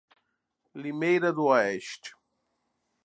Limeira do Oeste